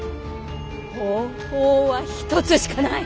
方法は一つしかない！